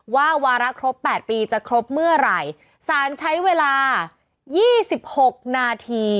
วาระครบ๘ปีจะครบเมื่อไหร่สารใช้เวลายี่สิบหกนาที